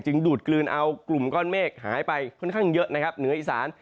ดูดกลืนเอากลุ่มก้อนเมฆหายไปค่อนข้างเยอะนะครับเหนืออีสาน